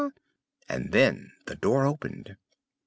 and then the door opened.